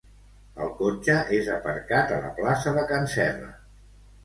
El cotxe és aparcat a la plaça de can Serra